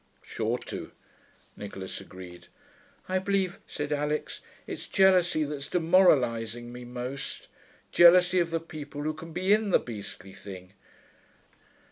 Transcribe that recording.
'Sure to,' Nicholas agreed. 'I believe,' said Alix, 'it's jealousy that's demoralising me most. Jealousy of the people who can be in the beastly thing....